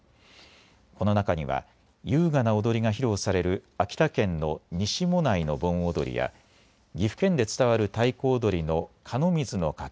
この中には優雅な踊りが披露される秋田県の西馬音内の盆踊や岐阜県で伝わる太鼓踊りの寒水の掛